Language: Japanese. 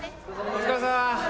お疲れさま。